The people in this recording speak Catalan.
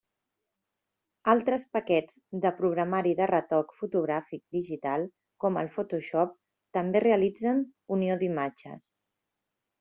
Altres paquets de programari de retoc fotogràfic digital com el Photoshop també realitzen unió d'imatges.